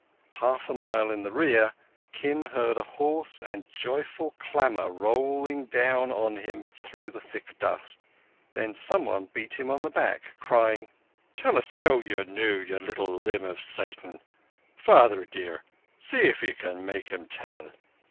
Half a mile in the rear, Kim heard a hoarse and joyful clamour rolling down on him through the thick dust. Then someone beat him on the back, crying: "Tell us how ye knew, ye little limb of Satan? Father dear, see if ye can make him tell."